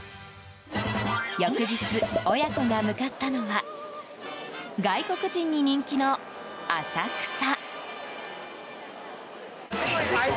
翌日、親子が向かったのは外国人に人気の浅草。